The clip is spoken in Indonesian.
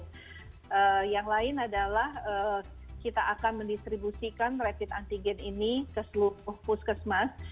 selain itu kita akan mendistribusikan rapid antigen ini ke puskesmas